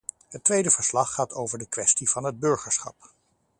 Het tweede verslag gaat over de kwestie van het burgerschap.